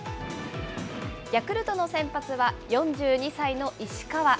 ヤクルトの先発は４２歳の石川。